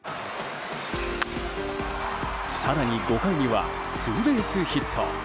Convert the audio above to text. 更に５回にはツーベースヒット。